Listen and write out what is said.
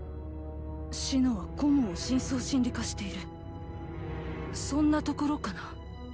紫乃はコモンを深層心理化しているそんなところかな？